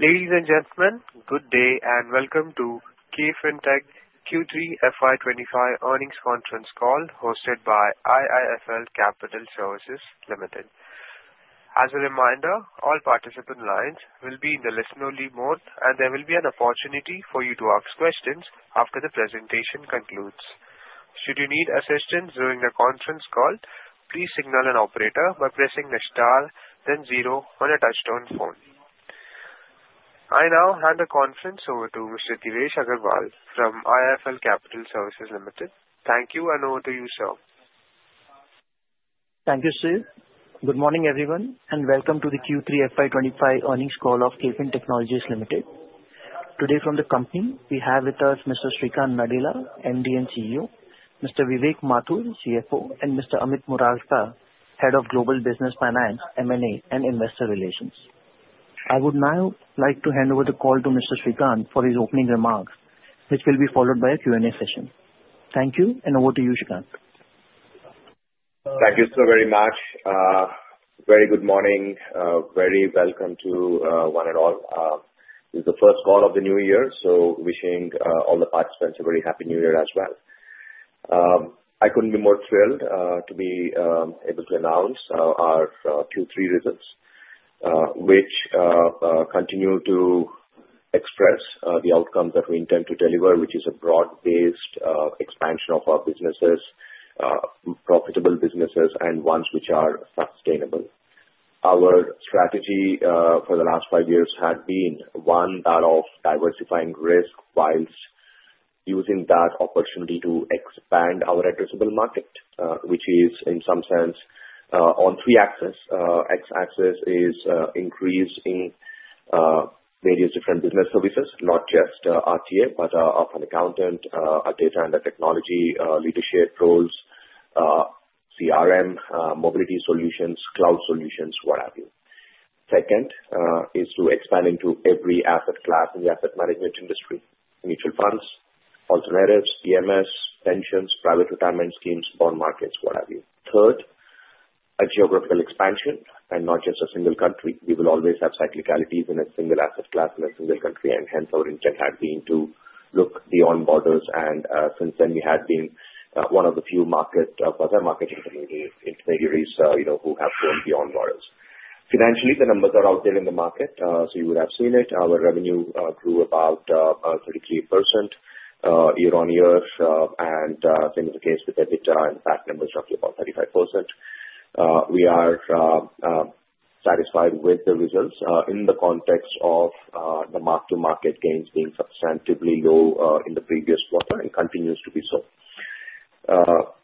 Ladies and gentlemen, good day and welcome to KFin Tech Q3 FY 2025 earnings conference call hosted by IIFL Capital Services Limited. As a reminder, all participant lines will be in the listen-only mode, and there will be an opportunity for you to ask questions after the presentation concludes. Should you need assistance during the conference call, please signal an operator by pressing the star, then zero on a touch-tone phone. I now hand the conference over to Mr. Devesh Agarwal from IIFL Capital Services Limited. Thank you, and over to you, sir. Thank you, sir. Good morning, everyone, and welcome to the Q3 FY 2025 earnings call of KFin Technologies Limited. Today, from the company, we have with us Mr. Sreekanth Nadella, MD and CEO, Mr. Vivek Mathur, CFO, and Mr. Amit Murarka, Head of Global Business Finance, M&A, and Investor Relations. I would now like to hand over the call to Mr. Sreekanth for his opening remarks, which will be followed by a Q&A session. Thank you, and over to you, Sreekanth. Thank you, sir, very much. Very good morning. Very welcome to one and all. This is the first call of the new year, so wishing all the participants a very happy new year as well. I couldn't be more thrilled to be able to announce our Q3 results, which continue to express the outcomes that we intend to deliver, which is a broad-based expansion of our businesses, profitable businesses, and ones which are sustainable. Our strategy for the last five years has been one that of diversifying risk whilst using that opportunity to expand our addressable market, which is, in some sense, on three axes. X-axis is increasing various different business services, not just RTA, but our accounting, our data and technology leadership roles, CRM, mobility solutions, cloud solutions, what have you. Second is to expand into every asset class in the asset management industry: mutual funds, alternatives, PMS, pensions, private retirement schemes, bond markets, what have you. Third, a geographical expansion and not just a single country. We will always have cyclicalities in a single asset class and a single country, and hence our intent has been to look beyond borders, and since then, we have been one of the few market for the market intermediaries who have gone beyond borders. Financially, the numbers are out there in the market, so you would have seen it. Our revenue grew about 33% year-on-year, and same as the case with EBITDA, and that number is roughly about 35%. We are satisfied with the results in the context of the mark-to-market gains being substantively low in the previous quarter and continues to be so.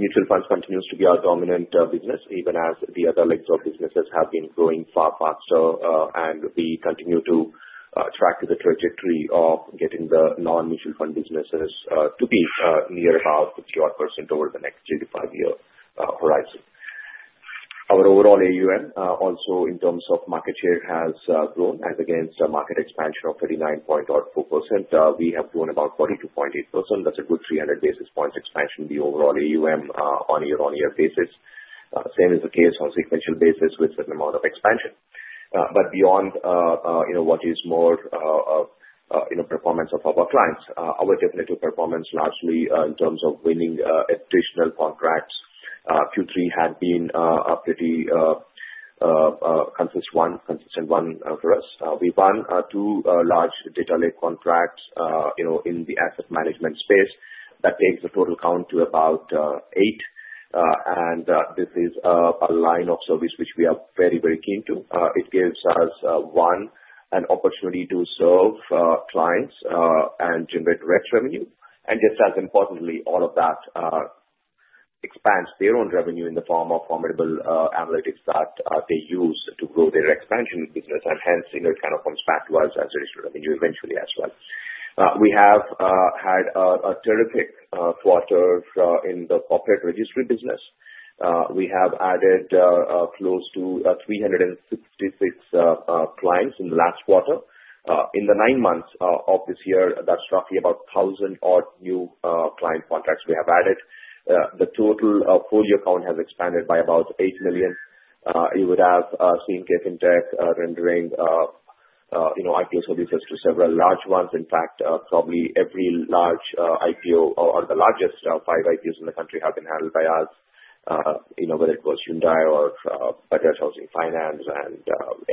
Mutual funds continues to be our dominant business, even as the other legs of businesses have been growing far faster, and we continue to track the trajectory of getting the non-mutual fund businesses to be near about 50%-odd over the next three to five-year horizon. Our overall AUM, also in terms of market share, has grown as against a market expansion of 39.04%. We have grown about 42.8%. That's a good 300 basis points expansion in the overall AUM on a year-on-year basis. Same is the case on a sequential basis with a certain amount of expansion. But beyond what is more performance of our clients, our definitive performance largely in terms of winning additional contracts, Q3 had been a pretty consistent one for us. We've won two large data-led contracts in the asset management space. That takes the total count to about eight, and this is a line of service which we are very, very keen to. It gives us, one, an opportunity to serve clients and generate direct revenue. And just as importantly, all of that expands their own revenue in the form of formidable analytics that they use to grow their expansion business, and hence it kind of comes back to us as additional revenue eventually as well. We have had a terrific quarter in the corporate registry business. We have added close to 366 clients in the last quarter. In the nine months of this year, that's roughly about 1,000-odd new client contracts we have added. The total folio count has expanded by about 8 million. You would have seen KFin Technologies rendering IPO services to several large ones. In fact, probably every large IPO, or the largest five IPOs in the country, have been handled by us, whether it was Hyundai or Bajaj Housing Finance and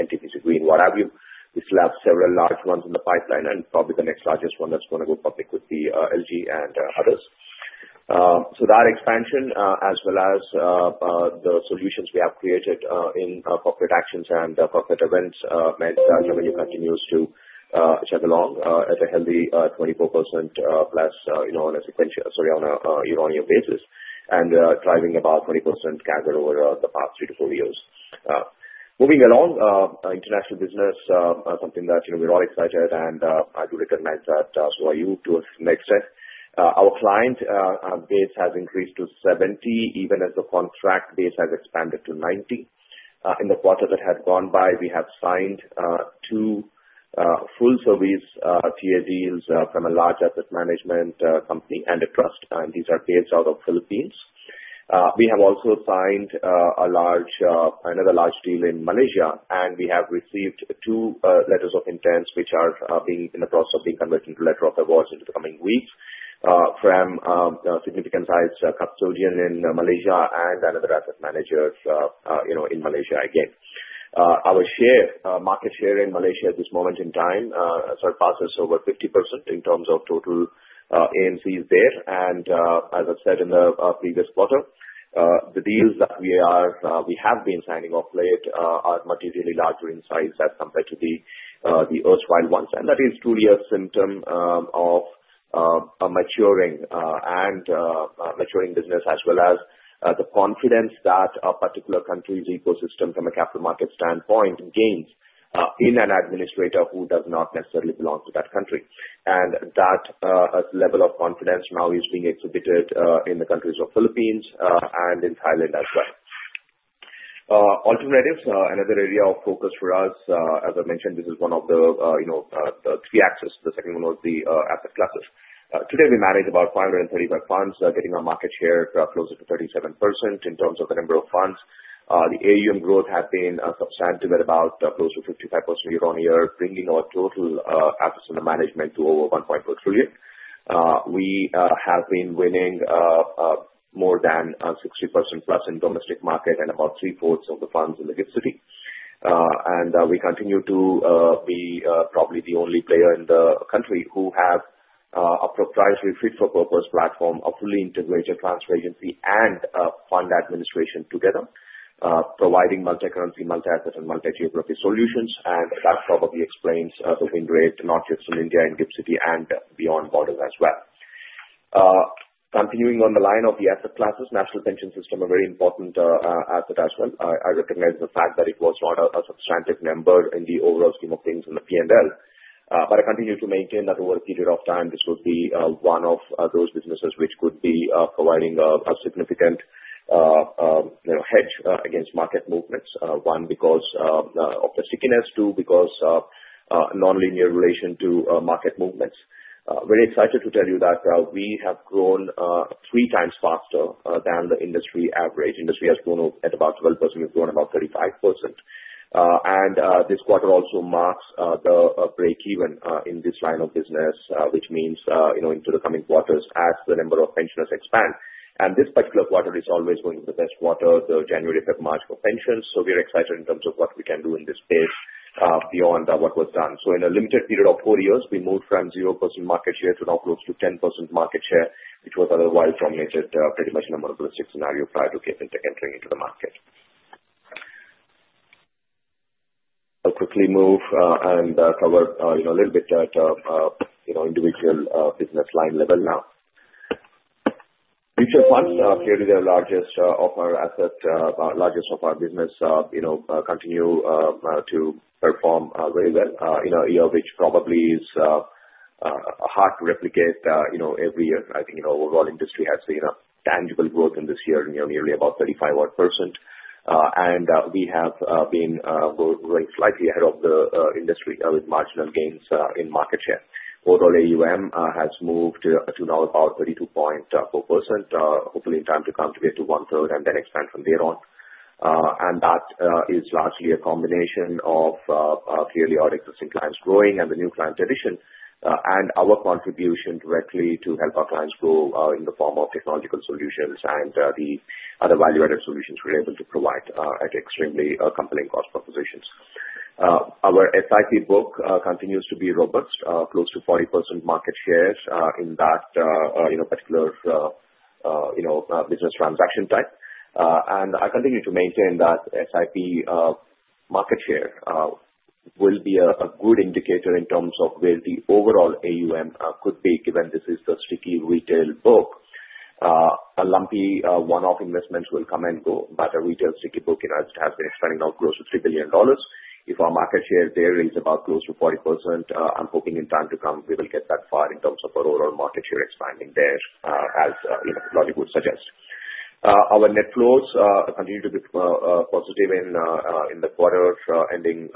NTPC Green, what have you. We still have several large ones in the pipeline, and probably the next largest one that's going to go public would be LG and others. So that expansion, as well as the solutions we have created in corporate actions and corporate events, meant that revenue continues to chug along at a healthy 24%+ on a sequential, sorry, on a year-on-year basis, and driving about 20% CAGR over the past three to four years. Moving along, international business is something that we're all excited, and I do recognize that so are you to a next step. Our client base has increased to 70, even as the contract base has expanded to 90. In the quarter that had gone by, we have signed two full-service TA deals from a large asset management company and a trust, and these are based out of the Philippines. We have also signed another large deal in Malaysia, and we have received two letters of intent, which are in the process of being converted into letters of awards in the coming weeks, from a significant-sized custodian in Malaysia and another asset manager in Malaysia again. Our market share in Malaysia at this moment in time surpasses over 50% in terms of total AUMs there, and as I've said in the previous quarter, the deals that we have been signing off late are materially larger in size as compared to the erstwhile ones. That is truly a symptom of a maturing business, as well as the confidence that a particular country's ecosystem from a capital market standpoint gains in an administrator who does not necessarily belong to that country. That level of confidence now is being exhibited in the countries of the Philippines and in Thailand as well. Alternatives, another area of focus for us, as I mentioned, this is one of the three axes. The second one was the asset classes. Today, we manage about 535 funds, getting our market share closer to 37% in terms of the number of funds. The AUM growth has been substantive at about close to 55% year-on-year, bringing our total assets under management to over 1.4 trillion. We have been winning more than 60% plus in the domestic market and about three-fourths of the funds in the GIFT City. We continue to be probably the only player in the country who has a proprietary fit-for-purpose platform, a fully integrated transfer agency, and fund administration together, providing multi-currency, multi-asset, and multi-geography solutions. That probably explains the win rate, not just in India and GIFT City and beyond borders as well. Continuing on the line of the asset classes, National Pension System is a very important asset as well. I recognize the fact that it was not a substantive member in the overall scheme of things in the P&L, but I continue to maintain that over a period of time, this would be one of those businesses which could be providing a significant hedge against market movements, one because of the stickiness, two because of non-linear relation to market movements. Very excited to tell you that we have grown three times faster than the industry average. Industry has grown at about 12%. We've grown about 35%. This quarter also marks the break-even in this line of business, which means into the coming quarters, as the number of pensioners expand. This particular quarter is always going to be the best quarter, the January, February, March for pensions. We're excited in terms of what we can do in this space beyond what was done. In a limited period of four years, we moved from 0% market share to now close to 10% market share, which was otherwise formulated pretty much in a monopolistic scenario prior to KFin Technologies entering into the market. I'll quickly move and cover a little bit at individual business line level now. Mutual funds, clearly, they're the largest of our assets, largest of our business, continue to perform very well in a year which probably is hard to replicate every year. I think the overall industry has seen tangible growth in this year, nearly about 35%-odd, and we have been growing slightly ahead of the industry with marginal gains in market share. Overall, AUM has moved to now about 32.4%, hopefully in time to contribute to one-third and then expand from there on, and that is largely a combination of clearly our existing clients growing and the new client addition, and our contribution directly to help our clients grow in the form of technological solutions and the other value-added solutions we're able to provide at extremely compelling cost propositions. Our SIP book continues to be robust, close to 40% market share in that particular business transaction type. I continue to maintain that SIP market share will be a good indicator in terms of where the overall AUM could be, given this is the sticky retail book. A lumpy one-off investment will come and go, but a retail sticky book has been expanding now close to $3 billion. If our market share there is about close to 40%, I'm hoping in time to come we will get that far in terms of our overall market share expanding there, as technology would suggest. Our net flows continue to be positive in the quarter ending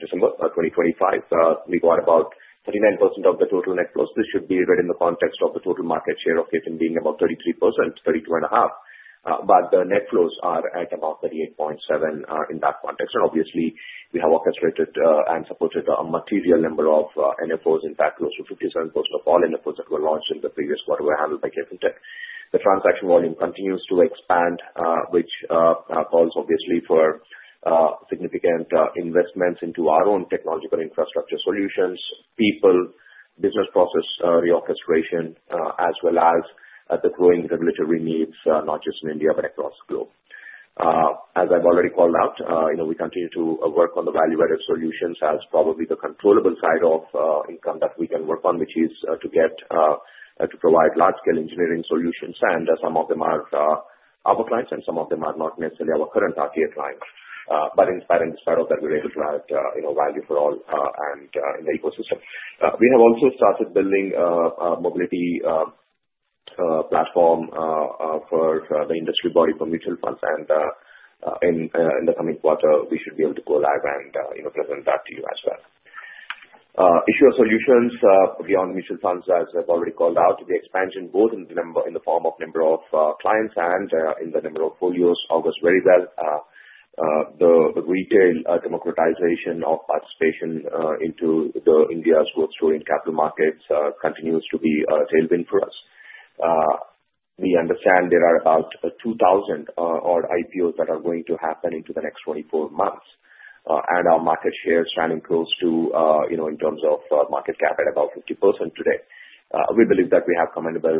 December 2025. We got about 39% of the total net flows. This should be read in the context of the total market share of KFin being about 33%, 32.5%. The net flows are at about 38.7% in that context. Obviously, we have orchestrated and supported a material number of NFOs, in fact, close to 57% of all NFOs that were launched in the previous quarter were handled by KFin Tech. The transaction volume continues to expand, which calls obviously for significant investments into our own technological infrastructure solutions, people, business process reorchestration, as well as the growing regulatory needs, not just in India but across the globe. As I've already called out, we continue to work on the value-added solutions as probably the controllable side of income that we can work on, which is to provide large-scale engineering solutions. Some of them are our clients, and some of them are not necessarily our current RTA clients. In spite of that, we're able to add value for all and in the ecosystem. We have also started building a mobility platform for the industry body for mutual funds. In the coming quarter, we should be able to go live and present that to you as well. Issuer solutions beyond mutual funds, as I've already called out, the expansion, both in the form of number of clients and in the number of folios, augurs very well. The retail democratization of participation into India's growth story in capital markets continues to be a tailwind for us. We understand there are about 2,000-odd IPOs that are going to happen into the next 24 months, and our market share is running close to, in terms of market cap, at about 50% today. We believe that we have commendable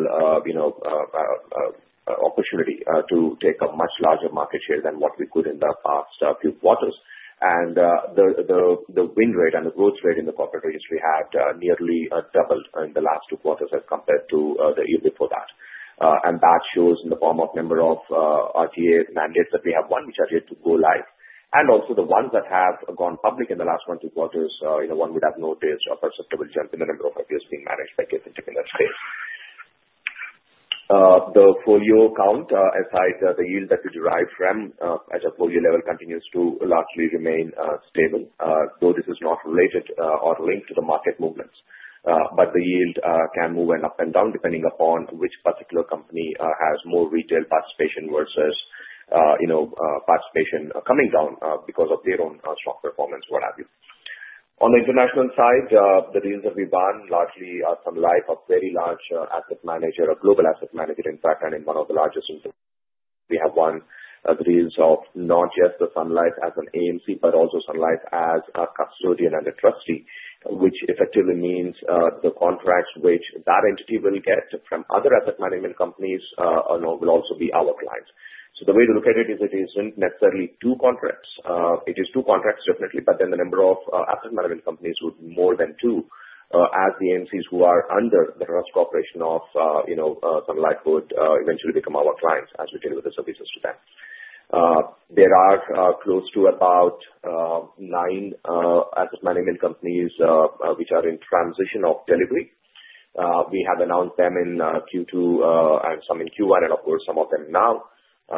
opportunity to take a much larger market share than what we could in the past few quarters. The win rate and the growth rate in the corporate registry had nearly doubled in the last two quarters as compared to the year before that. That shows in the form of number of RTA mandates that we have won, which are yet to go live. Also the ones that have gone public in the last one or two quarters, one would have noticed a perceptible jump in the number of RTAs being managed by KFin Technologies in that space. The folio count, aside the yield that we derive from at a folio level, continues to largely remain stable, though this is not related or linked to the market movements. The yield can move up and down depending upon which particular company has more retail participation versus participation coming down because of their own strong performance, what have you. On the international side, the deals that we've won largely are Sun Life, a very large asset manager, a global asset manager, in fact, and one of the largest in the world. We have won deals of not just the Sun Life as an AMC, but also Sun Life as a custodian and a trustee, which effectively means the contracts which that entity will get from other asset management companies will also be our clients. So the way to look at it is it isn't necessarily two contracts. It is two contracts, definitely, but then the number of asset management companies would more than two, as the AMCs who are under the trust Corporation of Sun Life would eventually become our clients as we deliver the services to them. There are close to about nine asset management companies which are in transition of delivery. We have announced them in Q2 and some in Q1, and of course, some of them now.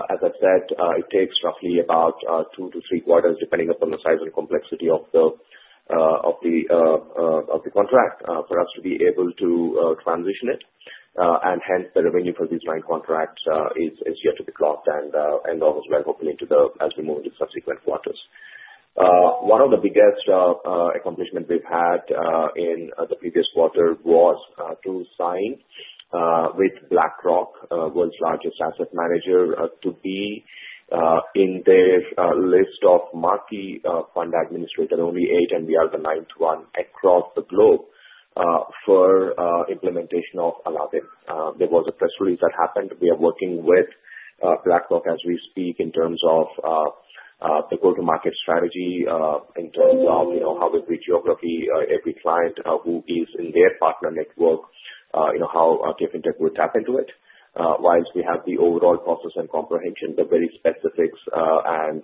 As I've said, it takes roughly about two to three quarters, depending upon the size and complexity of the contract, for us to be able to transition it, and hence, the revenue for these nine contracts is yet to be clocked and ends off as well, hopefully as we move into subsequent quarters. One of the biggest accomplishments we've had in the previous quarter was to sign with BlackRock, the world's largest asset manager, to be in their list of marquee fund administrators, only eight, and we are the ninth one across the globe for implementation of Aladdin. There was a press release that happened. We are working with BlackRock as we speak in terms of the go-to-market strategy, in terms of how we reach geography, every client who is in their partner network, how KFin Technologies would tap into it. While we have the overall process and comprehension, the very specifics and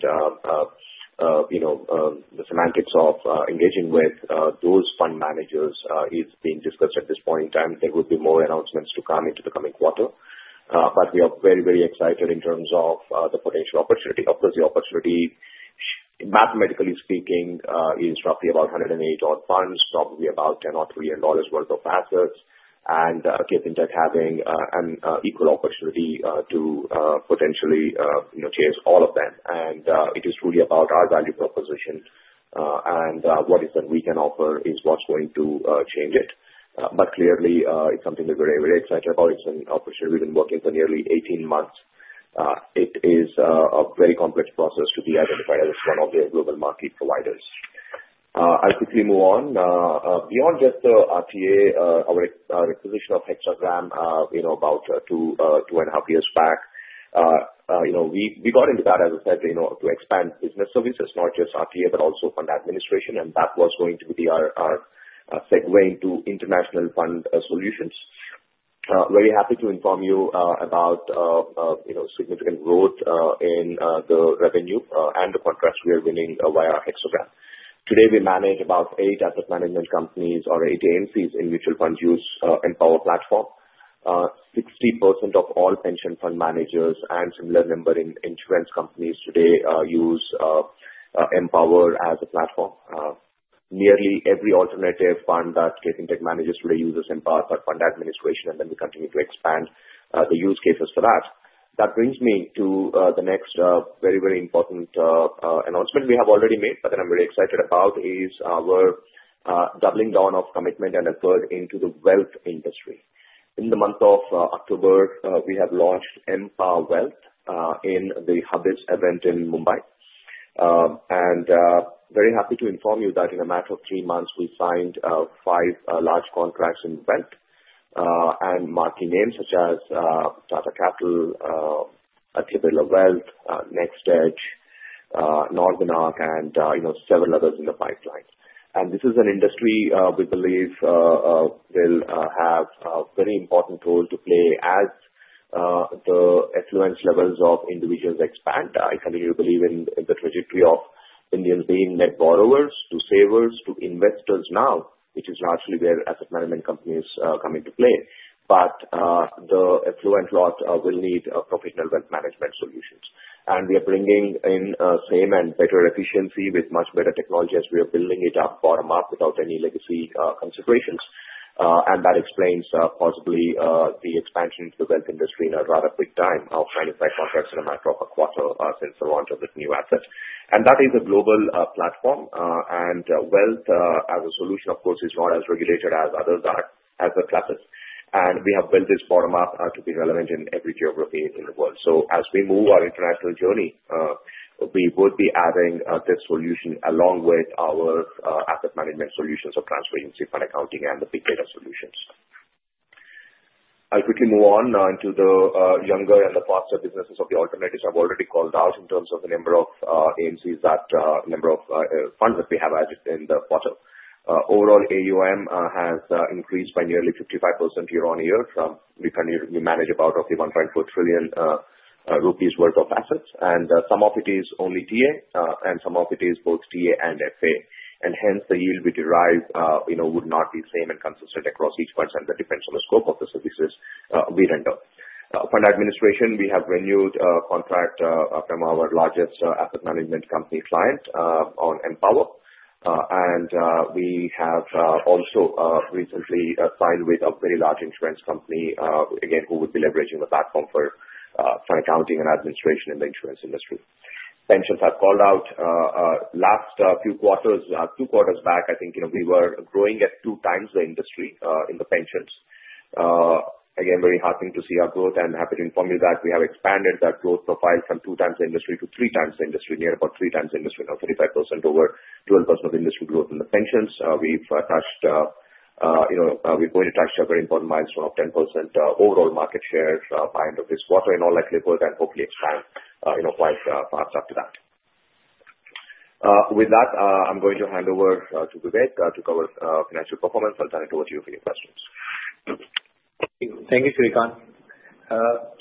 the semantics of engaging with those fund managers is being discussed at this point in time. There would be more announcements to come into the coming quarter, but we are very, very excited in terms of the potential opportunity. Of course, the opportunity, mathematically speaking, is roughly about 108-odd funds, probably about a not-too-little dollar's worth of assets, and KFin Technologies having an equal opportunity to potentially chase all of them, and it is truly about our value proposition, and what is that we can offer is what's going to change it, but clearly, it's something that we're very, very excited about. It's an opportunity. We've been working for nearly 18 months. It is a very complex process to be identified as one of their global marquee providers. I'll quickly move on. Beyond just the RTA, our acquisition of Hexagram about two and a half years back, we got into that, as I said, to expand business services, not just RTA, but also fund administration. And that was going to be our segue into international fund solutions. Very happy to inform you about significant growth in the revenue and the contracts we are winning via Hexagram. Today, we manage about eight asset management companies or eight AMCs in mutual funds use mPower platform. 60% of all pension fund managers and similar number in insurance companies today use mPower as a platform. Nearly every alternative fund that KFin Tech manages today uses mPower for fund administration, and then we continue to expand the use cases for that. That brings me to the next very, very important announcement we have already made, but that I'm very excited about, is our doubling down of commitment and a third into the wealth industry. In the month of October, we have launched mPower Wealth in the Hubbis event in Mumbai. And very happy to inform you that in a matter of three months, we signed five large contracts in wealth and marquee names such as Tata Capital, Aditya Birla Wealth, NextEdge, Northern ARC, and several others in the pipeline. And this is an industry we believe will have a very important role to play as the affluence levels of individuals expand. I continue to believe in the trajectory of Indians being net borrowers to savers to investors now, which is largely where asset management companies come into play. But the affluent lot will need professional wealth management solutions. And we are bringing in same and better efficiency with much better technology as we are building it up bottom-up without any legacy considerations. And that explains possibly the expansion of the wealth industry in a rather quick time of 95 contracts in a matter of a quarter since the launch of this new asset. And that is a global platform. And wealth as a solution, of course, is not as regulated as others are as the classics. And we have built this bottom-up to be relevant in every geography in the world. As we move our international journey, we would be adding this solution along with our asset management solutions of transfer agency, fund accounting, and the big data solutions. I'll quickly move on into the younger and the faster businesses of the alternatives. I've already called out in terms of the number of AMCs, the number of funds that we have added in the quarter. Overall, AUM has increased by nearly 55% year-on-year to. We currently manage about roughly 1.4 trillion rupees worth of assets. Some of it is only TA, and some of it is both TA and FA. Hence, the yield we derive would not be the same and consistent across each quadrant. That depends on the scope of the services we render. Fund administration, we have renewed a contract from our largest asset management company client on mPower. And we have also recently signed with a very large insurance company, again, who would be leveraging the platform for fund accounting and administration in the insurance industry. Pensions, I've called out. Last few quarters, two quarters back, I think we were growing at 2x the industry in the pensions. Again, very heartening to see our growth. And happy to inform you that we have expanded that growth profile from two times the industry to 3x the industry, near about 3x the industry, now 35% over 12% of the industry growth in the pensions. We've touched. We're going to touch a very important milestone of 10% overall market share by end of this quarter in all likelihood, and hopefully expand quite fast after that. With that, I'm going to hand over to Vivek to cover financial performance. I'll turn it over to you for your questions. Thank you, Sreekanth.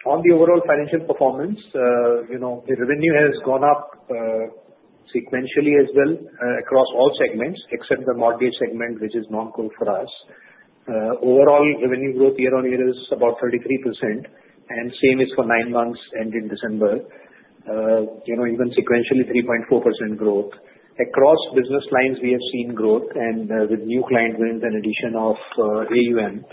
On the overall financial performance, the revenue has gone up sequentially as well across all segments except the Mortgage segment, which is non-core for us. Overall revenue growth year-on-year is about 33%, and same is for nine months ending December. Even sequentially, 3.4% growth. Across business lines, we have seen growth and with new client wins and addition of AUM.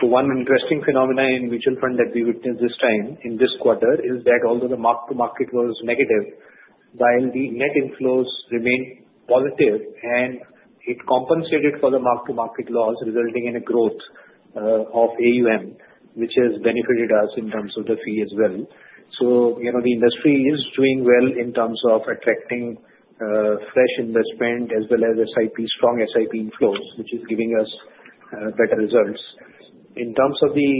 So one interesting phenomenon in mutual fund that we witnessed this time in this quarter is that although the mark-to-market was negative, while the net inflows remained positive, it compensated for the mark-to-market loss, resulting in a growth of AUM, which has benefited us in terms of the fee as well. So the industry is doing well in terms of attracting fresh investment as well as strong SIP inflows, which is giving us better results. In terms of the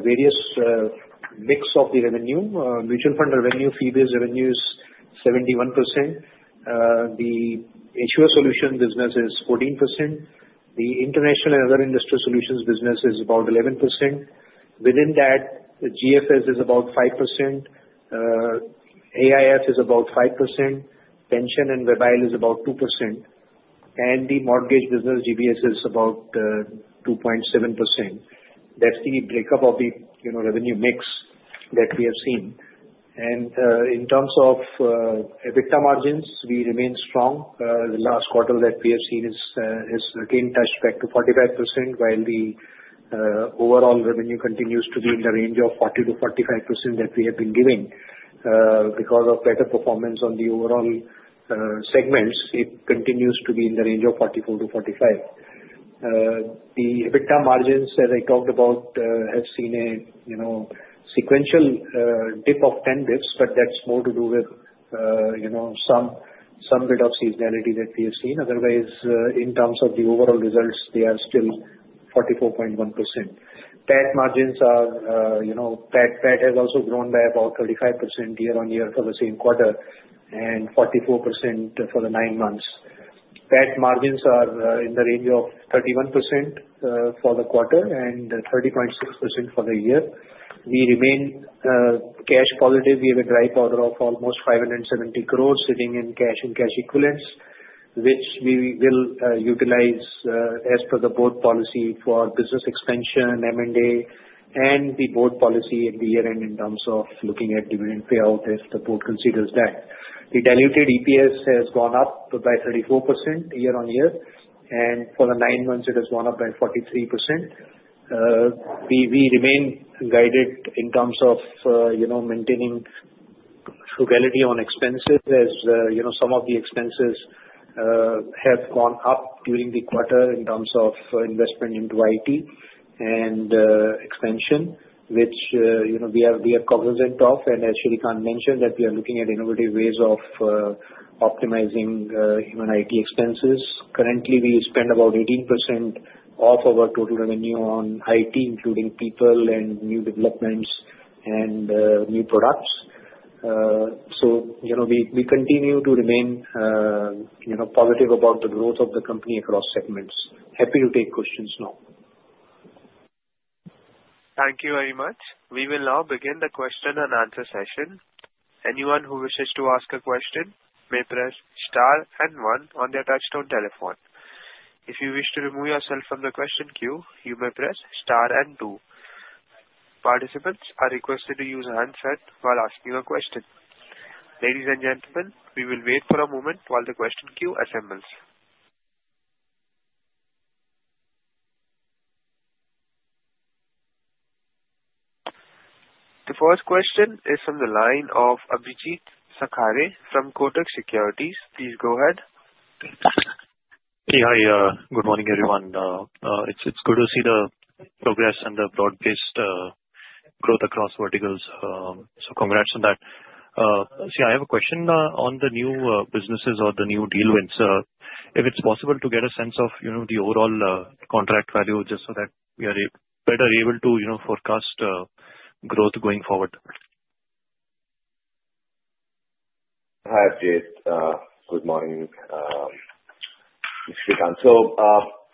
various mix of the revenue, mutual fund revenue, fee-based revenue is 71%. The issuer solution business is 14%. The international and other industry solutions business is about 11%. Within that, GFS is about 5%. AIF is about 5%. Pension and Webile is about 2%. And the mortgage business, GBS, is about 2.7%. That's the breakdown of the revenue mix that we have seen. And in terms of EBITDA margins, we remain strong. The last quarter that we have seen has again touched back to 45%, while the overall revenue continues to be in the range of 40%-45% that we have been giving. Because of better performance on the overall segments, it continues to be in the range of 44%-45%. The EBITDA margins, as I talked about, have seen a sequential dip of 10 basis points, but that's more to do with some bit of seasonality that we have seen. Otherwise, in terms of the overall results, they are still 44.1%. PAT margins are. PAT has also grown by about 35% year-on-year for the same quarter and 44% for the nine months. PAT margins are in the range of 31% for the quarter and 30.6% for the year. We remain cash positive. We have a dry powder of almost 570 crores sitting in cash and cash equivalents, which we will utilize as per the board policy for business expansion, M&A, and the board policy at the year-end in terms of looking at dividend payout if the board considers that. The diluted EPS has gone up by 34% year-on-year, and for the nine months, it has gone up by 43%. We remain guided in terms of maintaining frugality on expenses as some of the expenses have gone up during the quarter in terms of investment into IT and expansion, which we are cognizant of, and as Sreekanth mentioned, that we are looking at innovative ways of optimizing IT expenses. Currently, we spend about 18% of our total revenue on IT, including people and new developments and new products, so we continue to remain positive about the growth of the company across segments. Happy to take questions now. Thank you very much. We will now begin the question and answer session. Anyone who wishes to ask a question may press star and one on their touch-tone telephone. If you wish to remove yourself from the question queue, you may press star and two. Participants are requested to use a handset while asking a question. Ladies and gentlemen, we will wait for a moment while the question queue assembles. The first question is from the line of Abhijeet Sakhare from Kotak Securities. Please go ahead. Hey, hi. Good morning, everyone. It's good to see the progress and the broad-based growth across verticals. So congrats on that. See, I have a question on the new businesses or the new deal wins. If it's possible to get a sense of the overall contract value just so that we are better able to forecast growth going forward? Hi, Abhijeet. Good morning, Sreekanth. So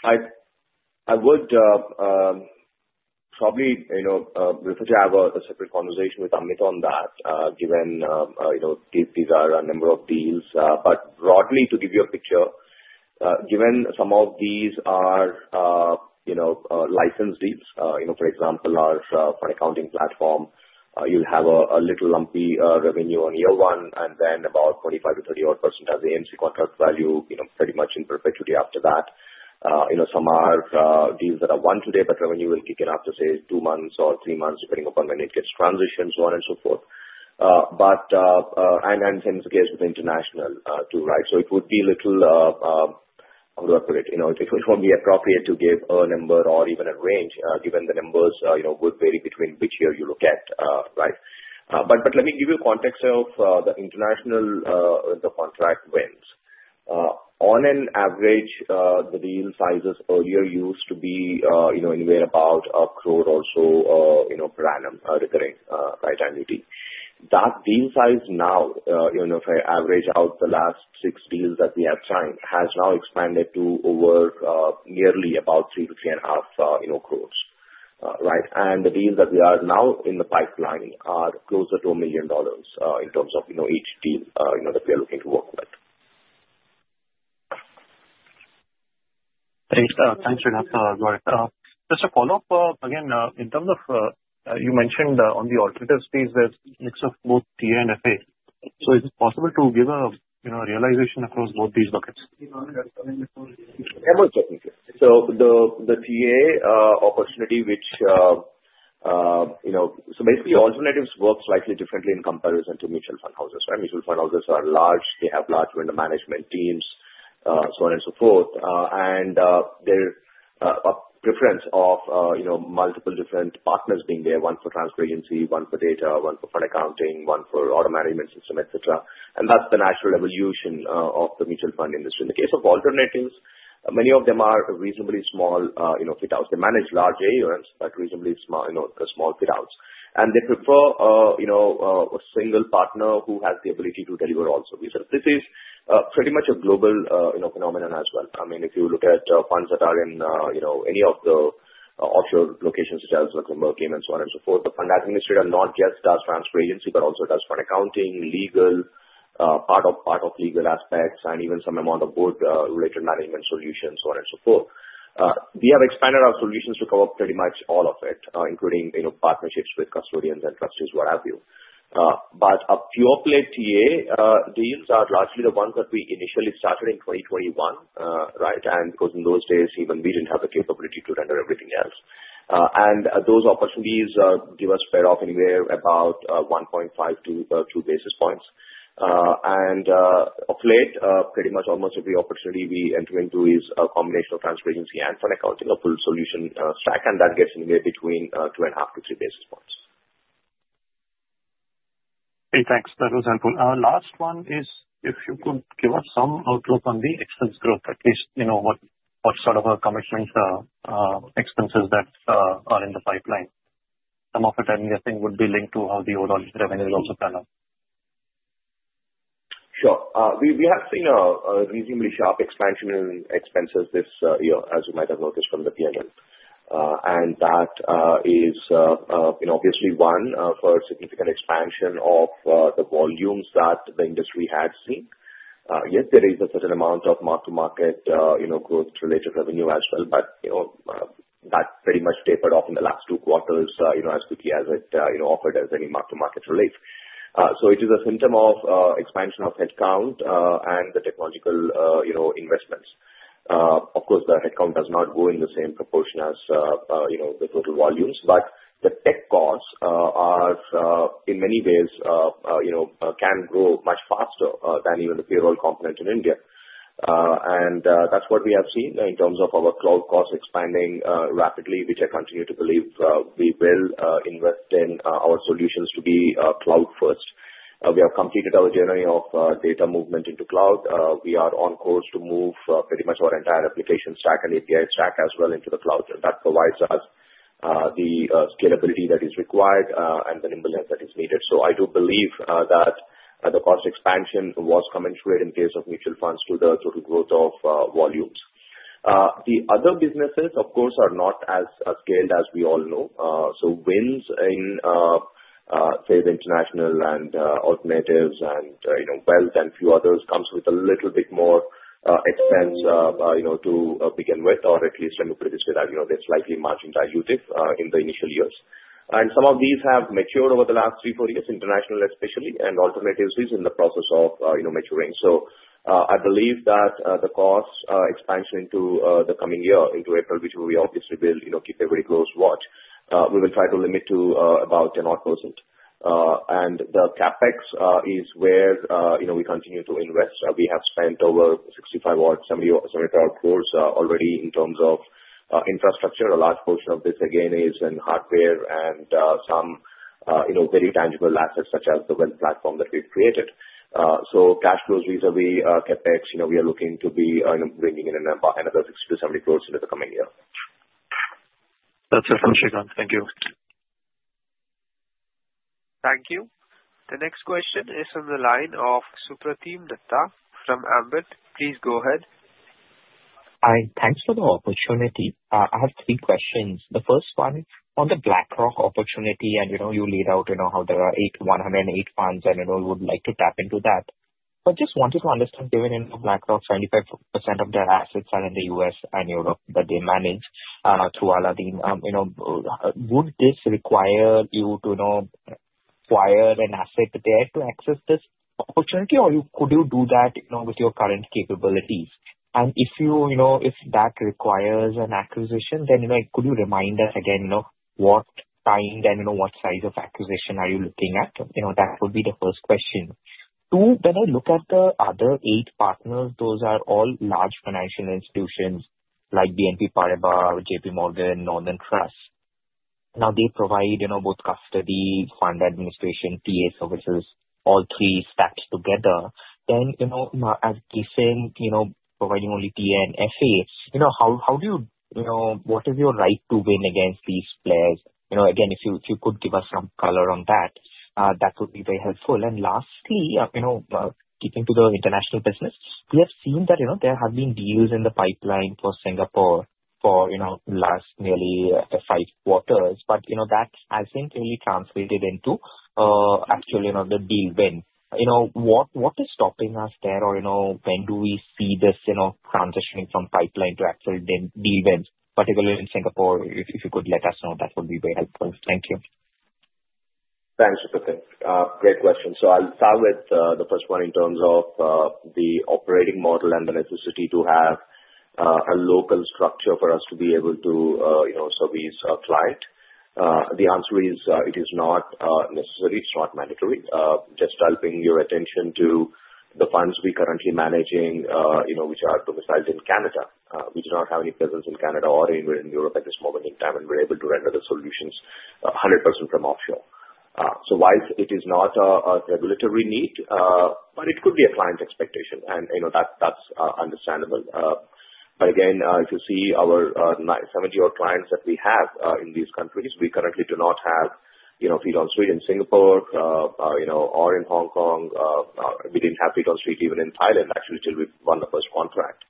I would probably prefer to have a separate conversation with Amit on that, given these are a number of deals. But broadly, to give you a picture, given some of these are licensed deals, for example, our fund accounting platform, you'll have a little lumpy revenue on year one, and then about 25%-30%-odd as AMC contract value, pretty much in perpetuity after that. Some are deals that are won today, but revenue will kick in after, say, two months or three months, depending upon when it gets transitioned, so on and so forth. And same is the case with international too, right? So it would be a little, how do I put it? It would be appropriate to give a number or even a range, given the numbers would vary between which year you look at, right? But let me give you context of the international contract wins. On an average, the deal sizes earlier used to be anywhere about 1 crore or so per annum recurring, right, annuity. That deal size now, if I average out the last six deals that we have signed, has now expanded to over nearly about 3 crores-3.5 crores, right? And the deals that we are now in the pipeline are closer to $1 million in terms of each deal that we are looking to work with. Thanks for that. Just a follow-up. Again, in terms of you mentioned on the alternative space, there's a mix of both TA and FA. So is it possible to give a realization across both these buckets? Yeah, most definitely. So the TA opportunity, which so basically, alternatives work slightly differently in comparison to mutual fund houses, right? Mutual fund houses are large. They have large vendor management teams, so on and so forth. And their preference of multiple different partners being there, one for transfer agency, one for data, one for fund accounting, one for asset management system, etc. And that's the natural evolution of the mutual fund industry. In the case of alternatives, many of them are reasonably small outfits. They manage large AUMs, but reasonably small outfits. And they prefer a single partner who has the ability to deliver all services. This is pretty much a global phenomenon as well. I mean, if you look at funds that are in any of the offshore locations, such as Luxembourg, and so on and so forth, the fund administrator not just does transfer agency, but also does fund accounting, legal, part of legal aspects, and even some amount of board-related management solutions, so on and so forth. We have expanded our solutions to cover pretty much all of it, including partnerships with custodians and trustees, what have you. But a pure-play TA deals are largely the ones that we initially started in 2021, right? And because in those days, even we didn't have the capability to render everything else. And those opportunities give us payoff anywhere about 1.5-2 basis points. Of late, pretty much almost every opportunity we enter into is a combination of transfer agency and fund accounting, a full solution stack, and that gets anywhere between 2.5-3 basis points. Okay, thanks. That was helpful. Our last one is, if you could give us some outlook on the expense growth, at least what sort of commitments, expenses that are in the pipeline. Some of it, I think, would be linked to how the overall revenue is also planned out. Sure. We have seen a reasonably sharp expansion in expenses this year, as you might have noticed from the P&L, and that is obviously one of significant expansion of the volumes that the industry had seen. Yes, there is a certain amount of mark-to-market growth-related revenue as well, but that pretty much tapered off in the last two quarters as quickly as it offered. As any mark-to-market relief, so it is a symptom of expansion of headcount and the technological investments. Of course, the headcount does not grow in the same proportion as the total volumes, but the tech costs, in many ways, can grow much faster than even the payroll component in India. And that's what we have seen in terms of our cloud costs expanding rapidly, which I continue to believe we will invest in our solutions to be cloud-first. We have completed our journey of data movement into the cloud. We are on course to move pretty much our entire application stack and API stack as well into the cloud. And that provides us the scalability that is required and the nimbleness that is needed. So I do believe that the cost expansion was commensurate in case of mutual funds to the total growth of volumes. The other businesses, of course, are not as scaled as we all know. So wins in, say, the international and alternatives and wealth and few others comes with a little bit more expense to begin with, or at least I'm pretty sure that they're slightly margin dilutive in the initial years. And some of these have matured over the last three, four years, international especially, and alternatives is in the process of maturing. I believe that the cost expansion into the coming year, into April, which we obviously will keep a very close watch, we will try to limit to about 10%-odd. And the CapEx is where we continue to invest. We have spent over 65%-odd, 75%-odd crores already in terms of infrastructure. A large portion of this, again, is in hardware and some very tangible assets, such as the web platform that we've created. So cash flows vis-à-vis CapEx, we are looking to be bringing in another 60 crores-70 crores into the coming year. That's it from me. Sreekanth, thank you. Thank you. The next question is from the line of Supratim Datta from Ambit. Please go ahead. Hi. Thanks for the opportunity. I have three questions. The first one is on the BlackRock opportunity, and you laid out how there are 108 funds, and I know you would like to tap into that. But just wanted to understand, given BlackRock, 75% of their assets are in the U.S. and Europe that they manage through Aladdin. Would this require you to acquire an asset there to access this opportunity, or could you do that with your current capabilities? And if that requires an acquisition, then could you remind us again what kind and what size of acquisition are you looking at? That would be the first question. Two, when I look at the other eight partners, those are all large financial institutions like BNP Paribas, JPMorgan, Northern Trust. Now, they provide both custody, fund administration, TA services, all three stacked together. Then, as you say, providing only TA and FA, how do you, what is your right to win against these players? Again, if you could give us some color on that, that would be very helpful. And lastly, keeping to the international business, we have seen that there have been deals in the pipeline for Singapore for the last nearly five quarters, but that hasn't really translated into actual deal win. What is stopping us there, or when do we see this transitioning from pipeline to actual deal wins? Particularly in Singapore, if you could let us know, that would be very helpful. Thank you. Thanks, Supratim. Great question. So I'll start with the first one in terms of the operating model and the necessity to have a local structure for us to be able to service our client. The answer is it is not necessary. It's not mandatory. Just drawing your attention to the funds we're currently managing, which are domiciled in Canada. We do not have any presence in Canada or anywhere in Europe at this moment in time, and we're able to render the solutions 100% from offshore. So while it is not a regulatory need, but it could be a client expectation, and that's understandable. But again, if you see our 70-odd clients that we have in these countries, we currently do not have feet on street in Singapore or in Hong Kong. We didn't have feet on street even in Thailand, actually, till we won the first contract.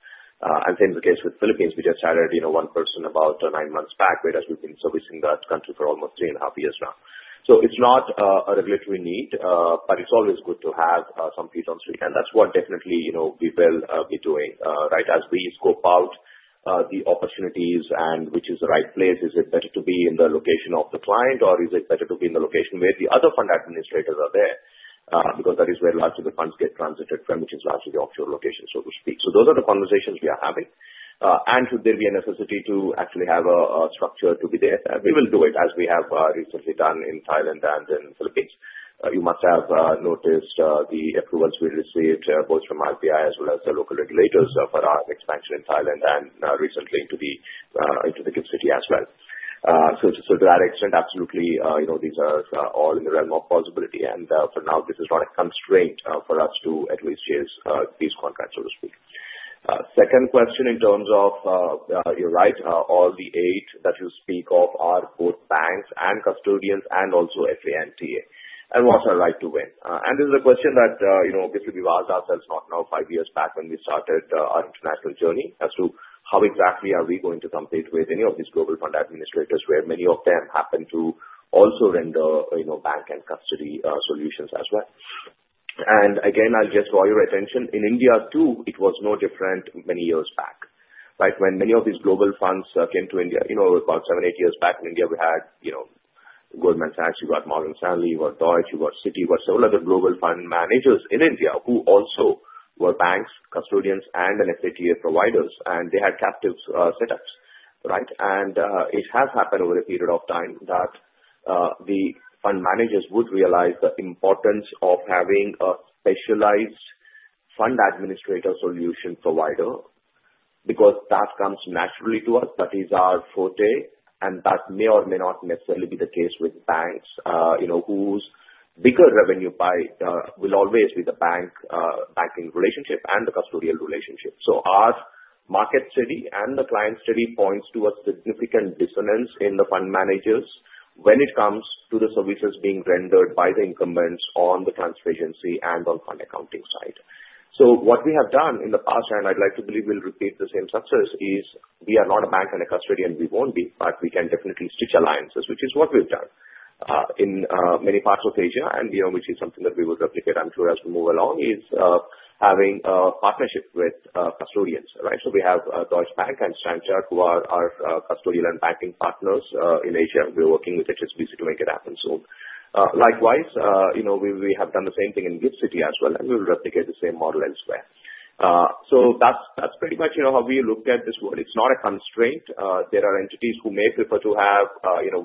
Same is the case with the Philippines. We just hired one person about nine months back, whereas we've been servicing that country for almost three and a half years now. So it's not a regulatory need, but it's always good to have some feet on the street. And that's what definitely we will be doing, right, as we scope out the opportunities and which is the right place. Is it better to be in the location of the client, or is it better to be in the location where the other fund administrators are there? Because that is where largely the funds get transited from, which is largely the offshore location, so to speak. So those are the conversations we are having. And should there be a necessity to actually have a structure to be there, we will do it, as we have recently done in Thailand and in the Philippines. You must have noticed the approvals we received both from RBI as well as the local regulators for our expansion in Thailand and recently into the GIFT City as well. So to that extent, absolutely, these are all in the realm of possibility. And for now, this is not a constraint for us to at least chase these contracts, so to speak. Second question in terms of your right, all the eight that you speak of are both banks and custodians and also FA and TA. And what's our right to win? And this is a question that, obviously, we've asked ourselves now five years back when we started our international journey as to how exactly are we going to compete with any of these global fund administrators, where many of them happen to also render bank and custody solutions as well. And again, I'll just draw your attention. In India too, it was no different many years back, right? When many of these global funds came to India, about seven, eight years back in India, we had Goldman Sachs, you got Morgan Stanley, you got Deutsche, you got Citi, you got several other global fund managers in India who also were banks, custodians, and RTA providers, and they had captive setups, right? It has happened over a period of time that the fund managers would realize the importance of having a specialized fund administrator solution provider because that comes naturally to us, that is our forte, and that may or may not necessarily be the case with banks whose bigger revenue will always be the banking relationship and the custodial relationship. Our market study and the client study points to a significant dissonance in the fund managers when it comes to the services being rendered by the incumbents on the transfer agency and on the fund accounting side. So what we have done in the past, and I'd like to believe we'll repeat the same success, is we are not a bank and a custodian, and we won't be, but we can definitely stitch alliances, which is what we've done in many parts of Asia, and which is something that we will replicate, I'm sure, as we move along, is having a partnership with custodians, right? So we have Deutsche Bank and StanChart who are our custodial and banking partners in Asia. We're working with HSBC to make it happen soon. Likewise, we have done the same thing in GIFT City as well, and we'll replicate the same model elsewhere. So that's pretty much how we look at this world. It's not a constraint. There are entities who may prefer to have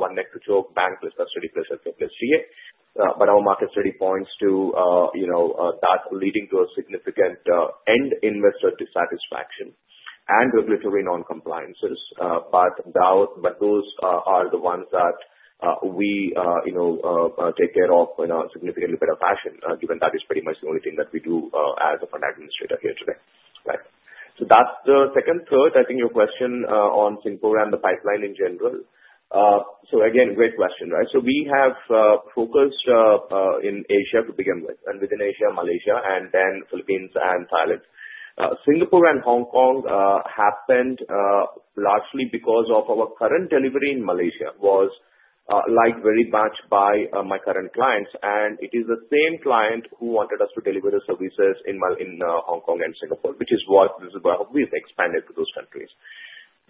one neck to choke, bankless custody plus FA plus TA, but our market study points to that leading to a significant end investor dissatisfaction and regulatory non-compliances. But those are the ones that we take care of in a significantly better fashion, given that is pretty much the only thing that we do as a fund administrator here today, right? So that's the second. Third, I think your question on Singapore and the pipeline in general. So again, great question, right? So we have focused in Asia to begin with, and within Asia, Malaysia, and then Philippines and Thailand. Singapore and Hong Kong happened largely because of our current delivery in Malaysia was liked very much by my current clients, and it is the same client who wanted us to deliver the services in Hong Kong and Singapore, which is why we've expanded to those countries.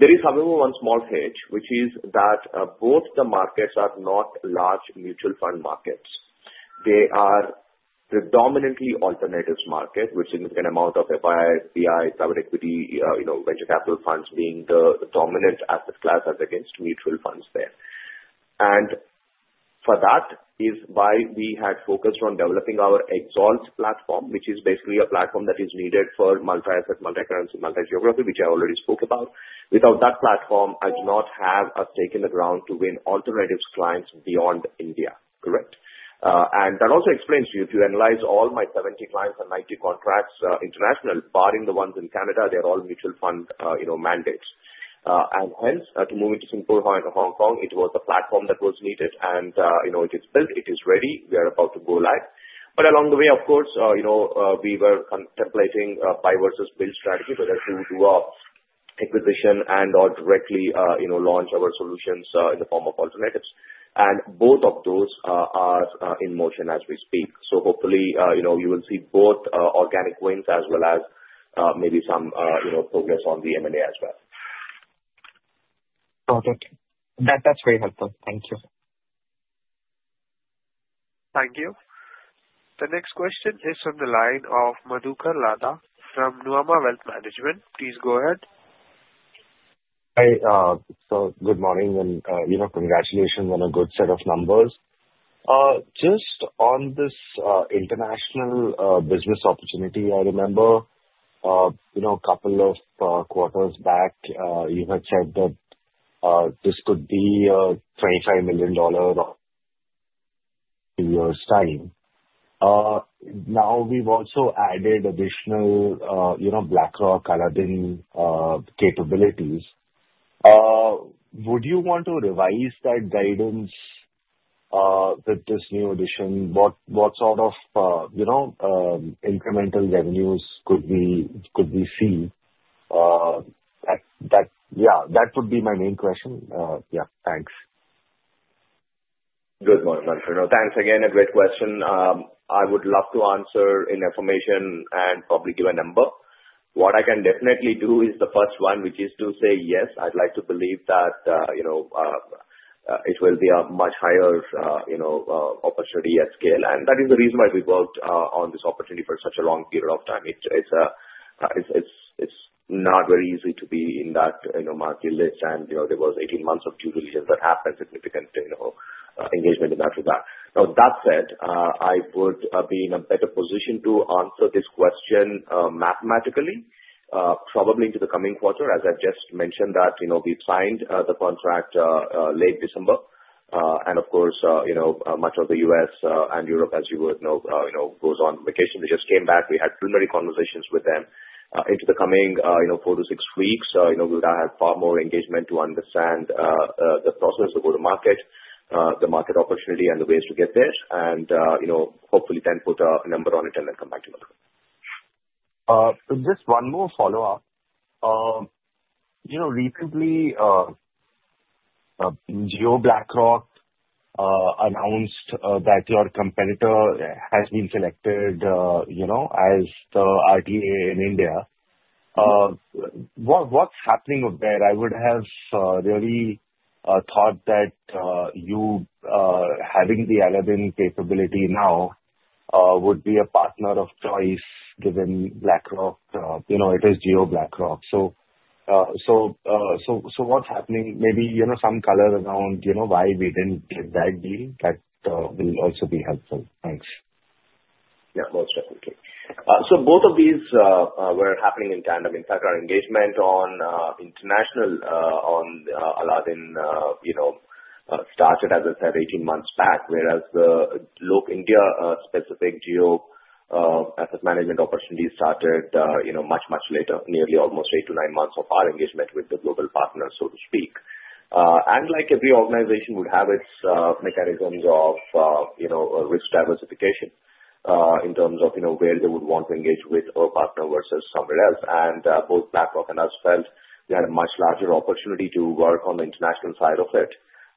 There is, however, one small hitch, which is that both the markets are not large mutual fund markets. They are predominantly alternatives market with significant amount of FIIs, PIIs, private equity, venture capital funds being the dominant asset class as against mutual funds there, and for that is why we had focused on developing our XAlt platform, which is basically a platform that is needed for multi-asset, multi-currency, multi-geography, which I already spoke about. Without that platform, I do not have a stake in the ground to win alternatives clients beyond India, correct? And that also explains to you, if you analyze all my 70 clients and 90 contracts international, barring the ones in Canada, they're all mutual fund mandates. And hence, to move into Singapore and Hong Kong, it was the platform that was needed, and it is built, it is ready, we are about to go live. But along the way, of course, we were contemplating buy versus build strategy, whether to do an acquisition and/or directly launch our solutions in the form of alternatives. And both of those are in motion as we speak. So hopefully, you will see both organic wins as well as maybe some progress on the M&A as well. Perfect. That's very helpful. Thank you. Thank you. The next question is from the line of Madhukar Ladha from Nuvama Wealth Management. Please go ahead. Hi. So good morning and congratulations on a good set of numbers. Just on this international business opportunity, I remember a couple of quarters back, you had said that this could be a $25 million in two years time. Now we've also added additional BlackRock Aladdin capabilities. Would you want to revise that guidance with this new addition? What sort of incremental revenues could we see? Yeah, that would be my main question. Yeah, thanks. Good morning. Thanks again. A great question. I would love to answer in information and probably give a number. What I can definitely do is the first one, which is to say yes. I'd like to believe that it will be a much higher opportunity at scale. And that is the reason why we worked on this opportunity for such a long period of time. It's not very easy to be in that market list, and there was 18 months of due diligence that happened, significant engagement in that regard. Now, that said, I would be in a better position to answer this question mathematically, probably into the coming quarter. As I've just mentioned, we've signed the contract late December. And of course, much of the U.S. and Europe, as you would know, goes on vacation. We just came back. We had preliminary conversations with them. Into the coming four to six weeks, we'll have far more engagement to understand the process of go to market, the market opportunity, and the ways to get there. And hopefully, then put a number on it and then come back to you. Just one more follow-up. Recently, Jio BlackRock announced that your competitor has been selected as the RTA in India. What's happening there? I would have really thought that you, having the Aladdin capability now, would be a partner of choice given BlackRock. It is Jio BlackRock. So what's happening? Maybe some color around why we didn't take that deal. That will also be helpful. Thanks. Yeah, most definitely. So both of these were happening in tandem. In fact, our engagement on international on Aladdin started, as I said, 18 months back, whereas the India-specific Jio asset management opportunity started much, much later, nearly almost eight to nine months of our engagement with the global partners, so to speak, and like every organization would have its mechanisms of risk diversification in terms of where they would want to engage with our partner versus somewhere else. And both BlackRock and us felt we had a much larger opportunity to work on the international side of it,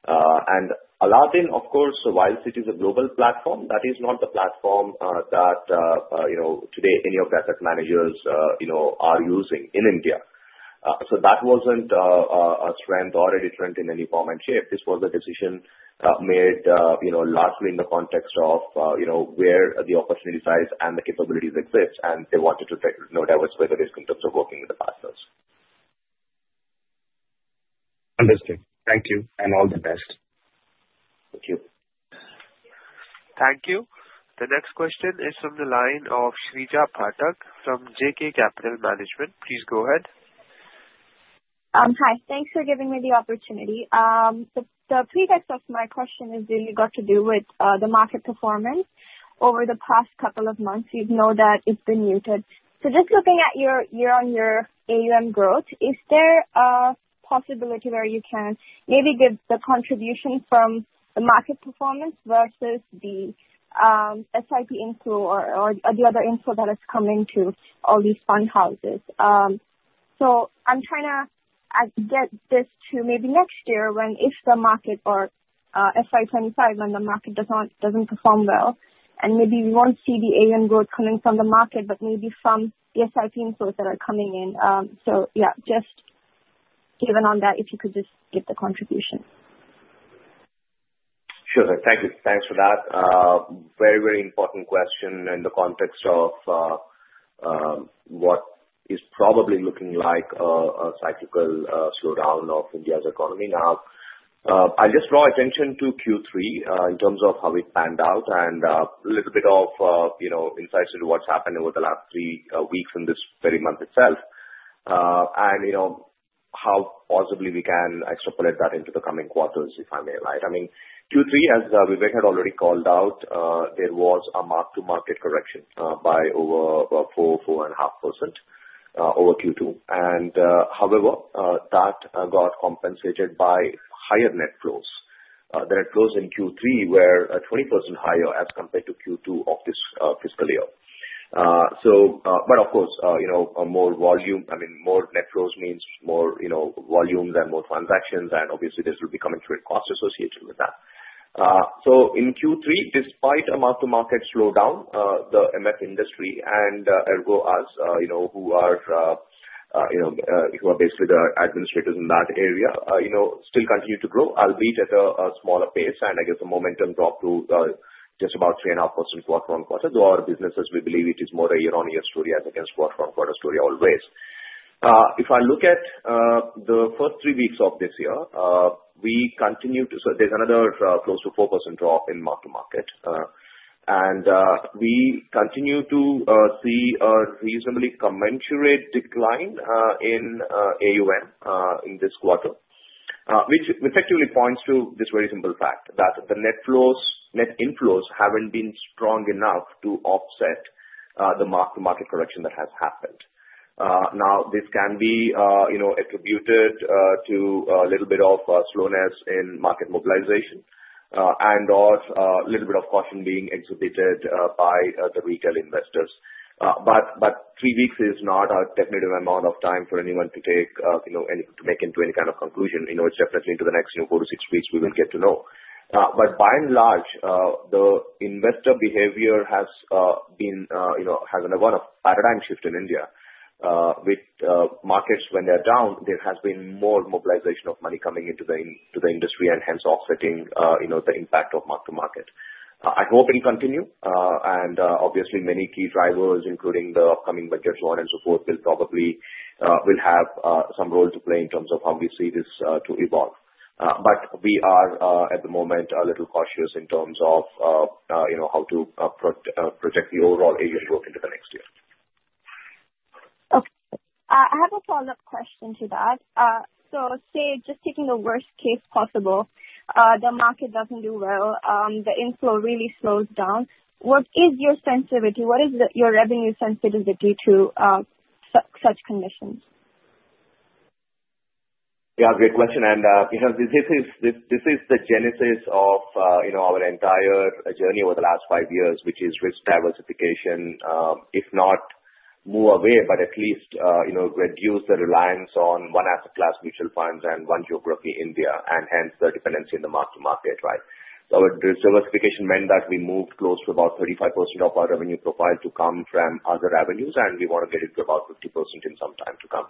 and Aladdin, of course, while it is a global platform, that is not the platform that today any of the asset managers are using in India. So that wasn't a strength or a detriment in any form and shape. This was a decision made largely in the context of where the opportunity size and the capabilities exist, and they wanted to diversify the risk in terms of working with the partners. Understood. Thank you. And all the best. Thank you. Thank you. The next question is from the line of Shrija Pathak from JK Capital Management. Please go ahead. Hi. Thanks for giving me the opportunity. The context of my question is really got to do with the market performance over the past couple of months. You know that it's been muted. So just looking at your year-on-year AUM growth, is there a possibility where you can maybe give the contribution from the market performance versus the SIP inflow or the other inflow that has come into all these fund houses? So I'm trying to get this to maybe next year when if the market or FY 2025, when the market doesn't perform well, and maybe we won't see the AUM growth coming from the market, but maybe from the SIP inflows that are coming in. So yeah, just given on that, if you could just give the contribution? Sure. Thank you. Thanks for that. Very, very important question in the context of what is probably looking like a cyclical slowdown of India's economy now. I'll just draw attention to Q3 in terms of how it panned out and a little bit of insights into what's happened over the last three weeks in this very month itself, and how possibly we can extrapolate that into the coming quarters, if I may. I mean, Q3, as Vivek had already called out, there was a mark-to-market correction by over 4 %-4.5% over Q2. And however, that got compensated by higher net flows. The net flows in Q3 were 20% higher as compared to Q2 of this fiscal year. But of course, more volume, I mean, more net flows means more volume than more transactions, and obviously, this will be coming through in cost associated with that. In Q3, despite a mark-to-market slowdown, the MF industry and ergo us, who are basically the administrators in that area, still continued to grow, albeit at a smaller pace, and I guess the momentum dropped to just about 3.5% quarter-on-quarter. Our businesses, we believe it is more a year-on-year story as against quarter-on-quarter story always. If I look at the first three weeks of this year, we continued to see another close to 4% drop in mark-to-market, and we continue to see a reasonably commensurate decline in AUM in this quarter, which effectively points to this very simple fact that the net inflows haven't been strong enough to offset the mark-to-market correction that has happened. Now, this can be attributed to a little bit of slowness in market mobilization and/or a little bit of caution being exhibited by the retail investors. But three weeks is not a definitive amount of time for anyone to make into any kind of conclusion. It's definitely into the next four to six weeks we will get to know. But by and large, the investor behavior has undergone a paradigm shift in India. With markets when they're down, there has been more mobilization of money coming into the industry and hence offsetting the impact of mark-to-market. I hope it will continue, and obviously, many key drivers, including the upcoming budgets, so on and so forth, will have some role to play in terms of how we see this to evolve. But we are at the moment a little cautious in terms of how to project the overall AUM growth into the next year. Okay. I have a follow-up question to that. So say, just taking the worst case possible, the market doesn't do well, the inflow really slows down. What is your sensitivity? What is your revenue sensitivity to such conditions? Yeah, great question. And this is the genesis of our entire journey over the last five years, which is risk diversification. If not, move away, but at least reduce the reliance on one asset class, mutual funds, and one geography, India, and hence the dependency in the mark-to-market, right? So our diversification meant that we moved close to about 35% of our revenue profile to come from other avenues, and we want to get it to about 50% in some time to come.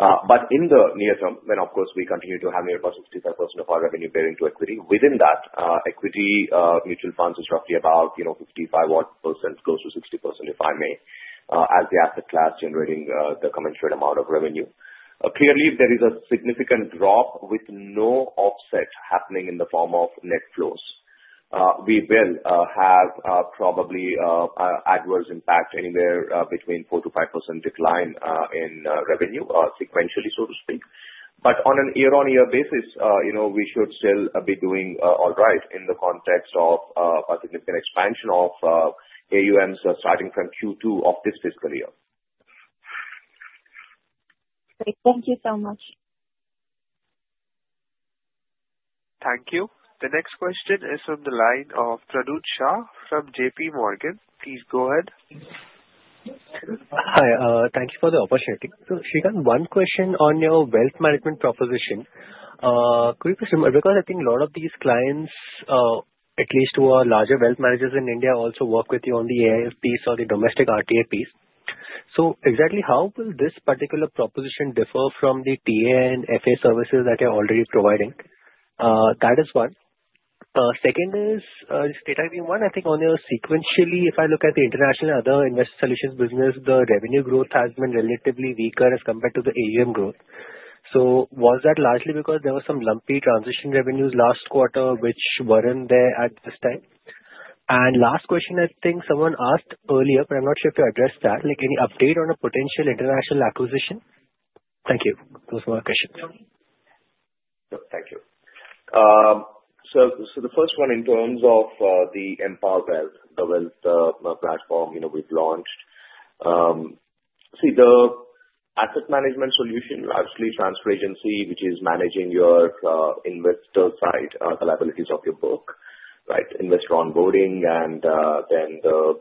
But in the near term, and of course, we continue to have nearly about 65% of our revenue bearing to equity. Within that, equity mutual funds is roughly about 55%, close to 60%, if I may, as the asset class generating the commensurate amount of revenue. Clearly, there is a significant drop with no offset happening in the form of net flows. We will have probably an adverse impact anywhere between 4%-5% decline in revenue, sequentially, so to speak. But on a year-on-year basis, we should still be doing all right in the context of a significant expansion of AUMs starting from Q2 of this fiscal year. Great. Thank you so much. Thank you. The next question is from the line of Pranuj Shah from JPMorgan. Please go ahead. Hi. Thank you for the opportunity. So Sreekanth, one question on your wealth management proposition. Because I think a lot of these clients, at least who are larger wealth managers in India, also work with you on the AIF piece or the domestic RTA piece. So exactly how will this particular proposition differ from the TA and FA services that you're already providing? That is one. Second is, that's the one. I think on a sequential basis, if I look at the International and Other Investment Solutions business, the revenue growth has been relatively weaker as compared to the AUM growth. So was that largely because there were some lumpy transition revenues last quarter, which weren't there at this time? Last question, I think someone asked earlier, but I'm not sure if you addressed that, any update on a potential international acquisition? Thank you. Those were my questions. Thank you. So the first one in terms of the mPower Wealth, the wealth platform we've launched. See, the asset management solution, largely transfer agency, which is managing your investor side, the liabilities of your book, right? Investor onboarding and then the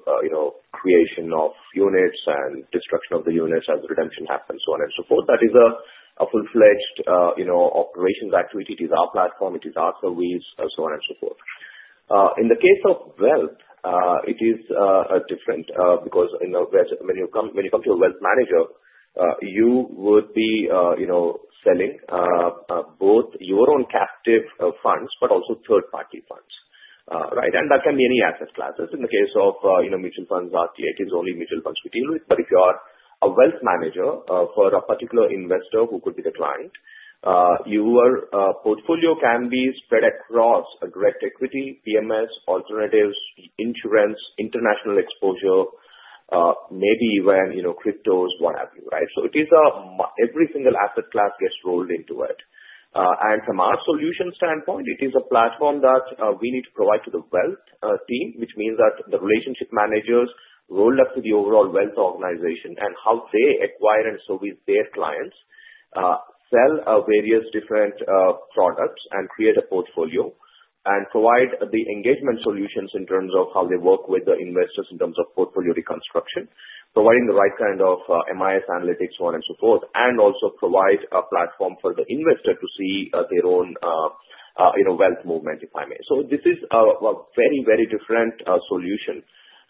creation of units and destruction of the units as redemption happens, so on and so forth. That is a full-fledged operations activity. It is our platform. It is our service, so on and so forth. In the case of wealth, it is different because when you come to a wealth manager, you would be selling both your own captive funds but also third-party funds, right? And that can be any asset class. This is in the case of mutual funds, RTA is only mutual funds we deal with. But if you are a wealth manager for a particular investor who could be the client, your portfolio can be spread across direct equity, PMS, alternatives, insurance, international exposure, maybe even cryptos, what have you, right? So it is a every single asset class gets rolled into it. And from our solution standpoint, it is a platform that we need to provide to the wealth team, which means that the relationship managers rolled up to the overall wealth organization and how they acquire and service their clients, sell various different products, and create a portfolio, and provide the engagement solutions in terms of how they work with the investors in terms of portfolio reconstruction, providing the right kind of MIS analytics, so on and so forth, and also provide a platform for the investor to see their own wealth movement, if I may. This is a very, very different solution,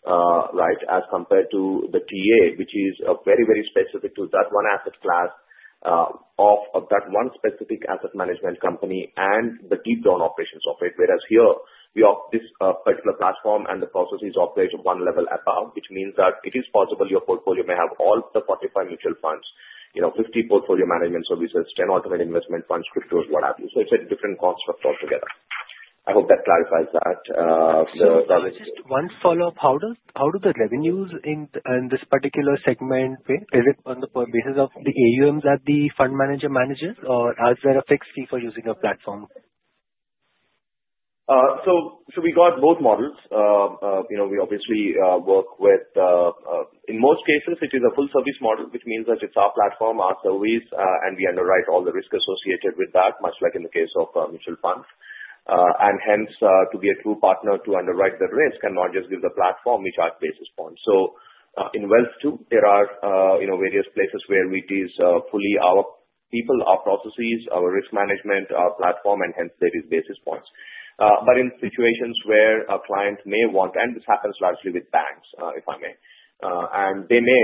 right, as compared to the TA, which is very, very specific to that one asset class of that one specific asset management company and the deep-down operations of it. Whereas here, we have this particular platform, and the processes operate one level above, which means that it is possible your portfolio may have all the 45 mutual funds, 50 portfolio management services, 10 alternative investment funds, cryptos, what have you. So it's a different construct altogether. I hope that clarifies that. Just one follow-up. How do the revenues in this particular segment? Is it on the basis of the AUMs that the fund manager manages, or is there a fixed fee for using your platform? We got both models. We obviously work with, in most cases, it is a full-service model, which means that it's our platform, our service, and we underwrite all the risk associated with that, much like in the case of mutual funds. Hence, to be a true partner to underwrite the risk and not just give the platform, we charge basis points. In wealth too, there are various places where we utilize fully our people, our processes, our risk management, our platform, and hence there is basis points. But in situations where a client may want, and this happens largely with banks, if I may, and they may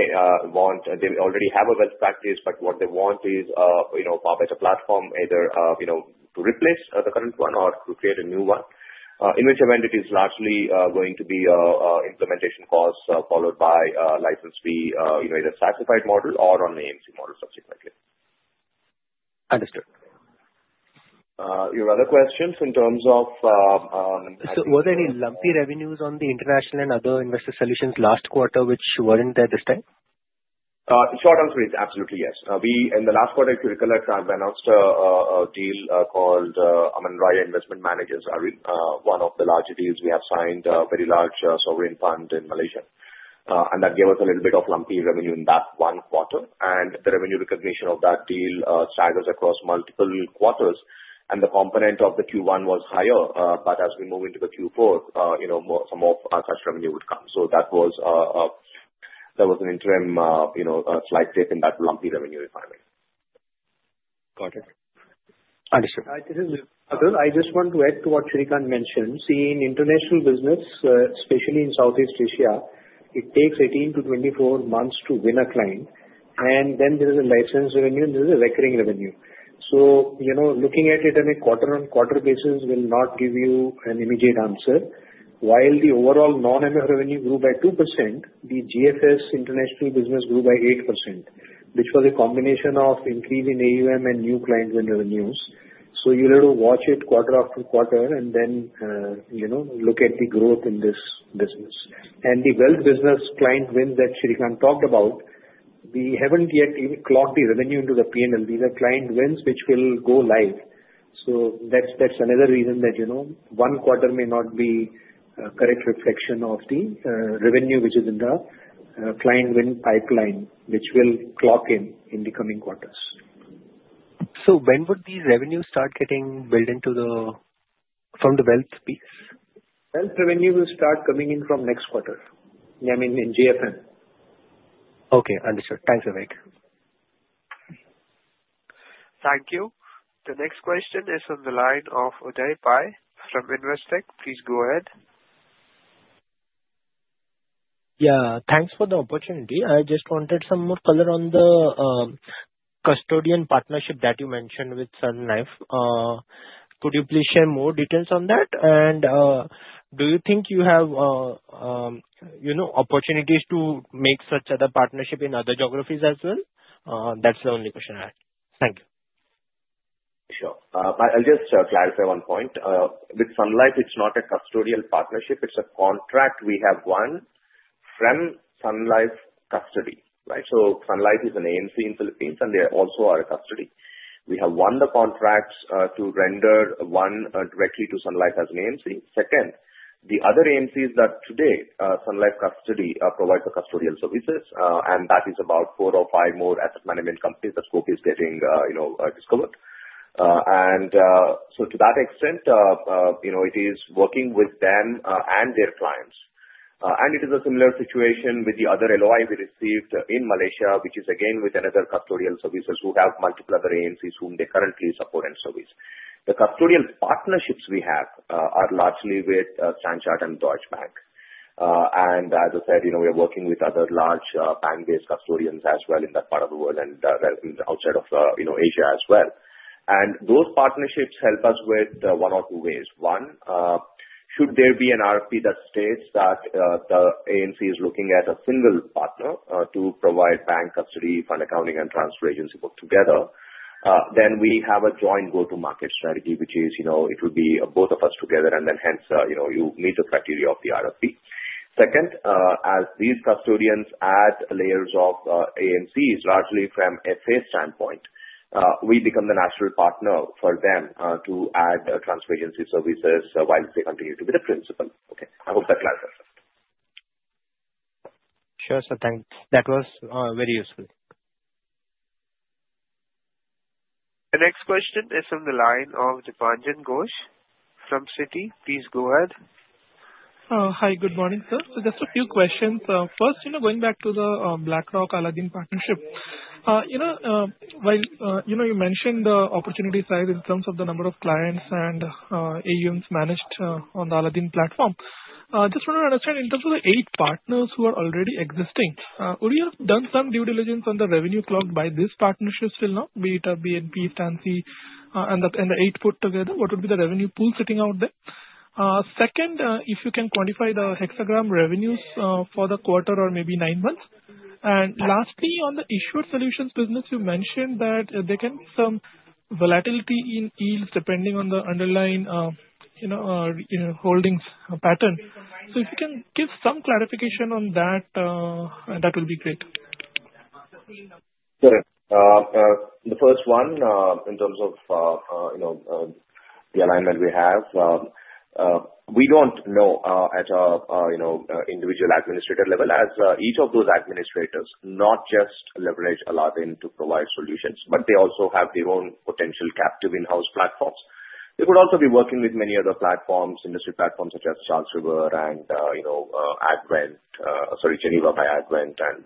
want they already have a wealth practice, but what they want is a better platform, either to replace the current one or to create a new one. In which event it is largely going to be an implementation cost followed by a license fee, either a SaaS model or on the AMC model subsequently. Understood. Your other questions in terms of. Were there any lumpy revenues on the International and Other Investor Solutions last quarter which weren't there this time? Short answer is absolutely yes. In the last quarter, if you recollect, we announced a deal called AmanahRaya Investment Managers, one of the larger deals we have signed, a very large sovereign fund in Malaysia, and that gave us a little bit of lumpy revenue in that one quarter, and the revenue recognition of that deal staggered across multiple quarters, and the component of the Q1 was higher, but as we move into the Q4, some more such revenue would come, so that was an interim blip in that lumpy revenue requirement. Got it. Understood. I just want to add to what Sreekanth mentioned. See, in international business, especially in Southeast Asia, it takes 18 to 24 months to win a client. And then there is a license revenue, and there is a recurring revenue. So looking at it on a quarter-on-quarter basis will not give you an immediate answer. While the overall non-MF revenue grew by 2%, the GFS international business grew by 8%, which was a combination of increase in AUM and new client win revenues. So you'll have to watch it quarter after quarter and then look at the growth in this business. And the wealth business client wins that Sreekanth talked about, we haven't yet clocked the revenue into the P&L. These are client wins which will go live. So that's another reason that one quarter may not be a correct reflection of the revenue which is in the client win pipeline, which will clock in the coming quarters. When would these revenues start getting built into them from the wealth piece? Wealth revenue will start coming in from next quarter. I mean, in JFM. Okay. Understood. Thanks, Vivek. Thank you. The next question is on the line of Uday Pai from Investec. Please go ahead. Yeah. Thanks for the opportunity. I just wanted some more color on the custodian partnership that you mentioned with Sun Life. Could you please share more details on that? And do you think you have opportunities to make such other partnerships in other geographies as well? That's the only question I had. Thank you. Sure. I'll just clarify one point. With Sun Life, it's not a custodial partnership. It's a contract we have won from Sun Life Custody, right? So Sun Life is an AMC in the Philippines, and they also are a custodian. We have won the contract to render services directly to Sun Life as an AMC. Second, the other AMCs that today Sun Life Custody provides the custodial services, and that is about four or five more asset management companies that we are getting to service. And so to that extent, it is working with them and their clients. And it is a similar situation with the other LOI we received in Malaysia, which is again with another custodian who has multiple other AMCs whom they currently support and service. The custodial partnerships we have are largely with StanChart and Deutsche Bank. As I said, we are working with other large bank-based custodians as well in that part of the world and outside of Asia as well. Those partnerships help us with one or two ways. One, should there be an RFP that states that the AMC is looking at a single partner to provide bank, custody, fund accounting, and transfer agency work together, then we have a joint go-to-market strategy, which is it would be both of us together, and then hence you meet the criteria of the RFP. Second, as these custodians add layers of AMCs, largely from FA standpoint, we become the natural partner for them to add transfer agency services while they continue to be the principal. Okay. I hope that clarifies. Sure. So thanks. That was very useful. The next question is on the line of Dipanjan Ghosh from Citi. Please go ahead. Hi. Good morning, sir. So, just a few questions. First, going back to the BlackRock-Aladdin partnership, while you mentioned the opportunity side in terms of the number of clients and AUMs managed on the Aladdin platform, I just want to understand in terms of the eight partners who are already existing, would you have done some due diligence on the revenue clocked by this partnership still now, be it BNP, StanChart, and the eight put together? What would be the revenue pool sitting out there? Second, if you can quantify the Hexagram revenues for the quarter or maybe nine months. And lastly, on the Issuer Solutions business, you mentioned that there can be some volatility in yields depending on the underlying holdings pattern. So if you can give some clarification on that, that would be great. Sure. The first one, in terms of the alignment we have, we don't know at an individual administrator level as each of those administrators, not just leverage Aladdin to provide solutions, but they also have their own potential captive in-house platforms. They could also be working with many other platforms, industry platforms such as Charles River and Advent, sorry, Geneva by Advent, and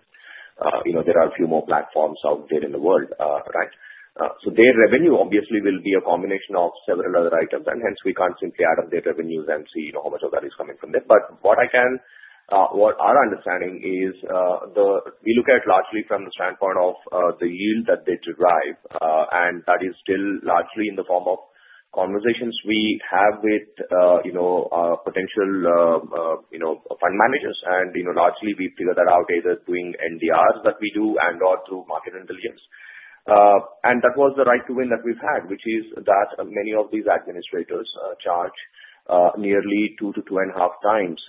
there are a few more platforms out there in the world, right? So their revenue obviously will be a combination of several other items, and hence we can't simply add up their revenues and see how much of that is coming from there. But what I can, what our understanding is, we look at it largely from the standpoint of the yield that they derive, and that is still largely in the form of conversations we have with potential fund managers. And largely, we figure that out either doing NDRs that we do and/or through market intelligence. And that was the right to win that we've had, which is that many of these administrators charge nearly two to two and a half times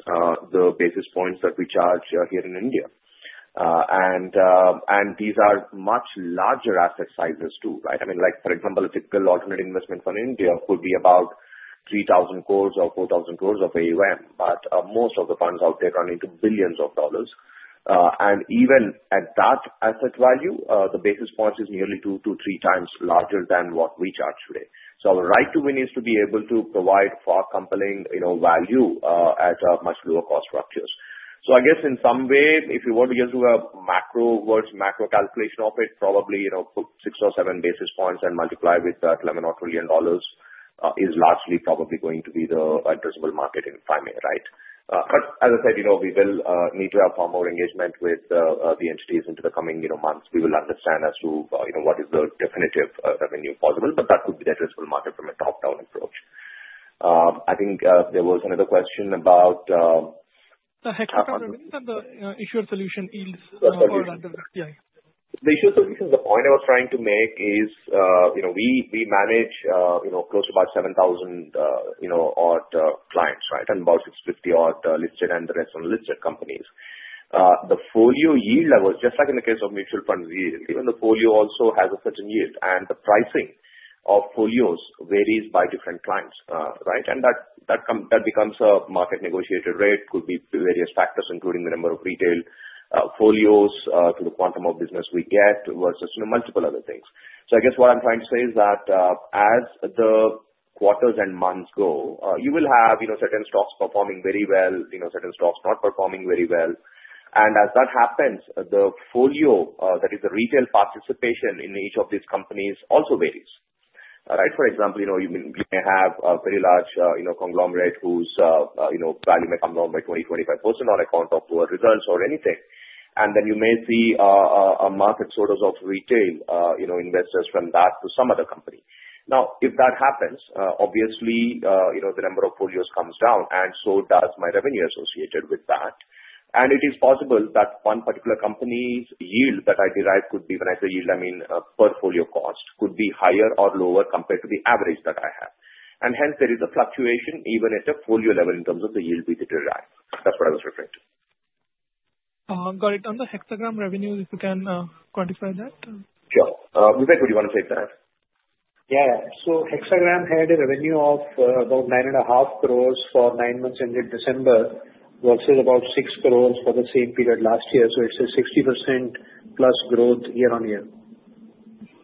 the basis points that we charge here in India. And these are much larger asset sizes too, right? I mean, for example, a typical alternative investment fund in India could be about 3,000 crores or 4,000 crores of AUM, but most of the funds out there run into billions of dollars. And even at that asset value, the basis points is nearly two to three times larger than what we charge today. So our right to win is to be able to provide for compelling value at much lower cost structures. I guess in some way, if you want to get to a macro versus macro calculation of it, probably put six or seven basis points and multiply with that $11 trillion is largely probably going to be the addressable market in five years, right? But as I said, we will need to have far more engagement with the entities into the coming months. We will understand as to what is the definitive revenue possible, but that could be the addressable market from a top-down approach. I think there was another question about. The Hexagram revenues and the Issuer Solutions yields. The Issuer Solutions, the point I was trying to make is we manage close to about 7,000 odd clients, right, and about 650 odd listed and the rest unlisted companies. The folio yield level, just like in the case of mutual funds, even the folio also has a certain yield, and the pricing of folios varies by different clients, right, and that becomes a market negotiated rate. It could be various factors, including the number of retail folios to the quantum of business we get versus multiple other things, so I guess what I'm trying to say is that as the quarters and months go, you will have certain stocks performing very well, certain stocks not performing very well, and as that happens, the folio, that is the retail participation in each of these companies, also varies, right? For example, you may have a very large conglomerate whose value may come down by 20%-25% on account of poor results or anything. And then you may see a market sort of retail investors from that to some other company. Now, if that happens, obviously, the number of folios comes down, and so does my revenue associated with that. And it is possible that one particular company's yield that I derive could be, when I say yield, I mean per folio cost, could be higher or lower compared to the average that I have. And hence, there is a fluctuation even at the folio level in terms of the yield we derive. That's what I was referring to. Got it. On the Hexagram revenue, if you can quantify that? Sure. Vivek, would you want to take that? Yeah, so Hexagram had a revenue of about 9.5 crores for nine months ended December versus about 6 crores for the same period last year, so it's a 60% plus growth year-on-year.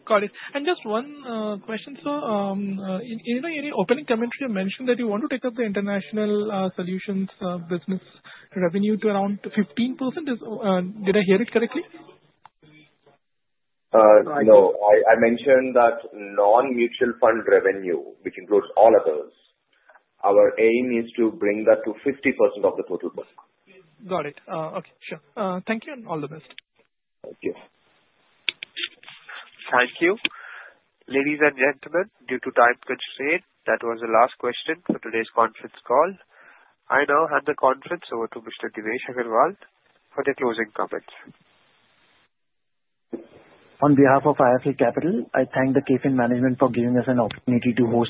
Got it. And just one question, sir. In your opening commentary, you mentioned that you want to take up the international solutions business revenue to around 15%. Did I hear it correctly? No. I mentioned that non-mutual fund revenue, which includes all others, our aim is to bring that to 50% of the total. Got it. Okay. Sure. Thank you and all the best. Thank you. Thank you. Ladies and gentlemen, due to time constraints, that was the last question for today's conference call. I now hand the conference over to Mr. Devesh Agarwal for the closing comments. On behalf of IIFL Capital, I thank the KFin Management for giving us an opportunity to.